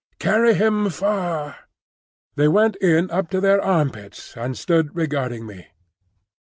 Carry him far." They went in up to their armpits and stood regarding me.